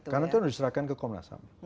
betul karena itu diserahkan ke komnas ham